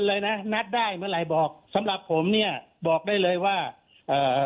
เลยนะนัดได้เมื่อไหร่บอกสำหรับผมเนี้ยบอกได้เลยว่าเอ่อ